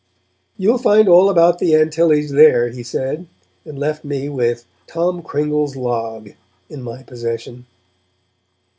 'You'll find all about the Antilles there,' he said, and left me with Tom Cringle's Log in my possession.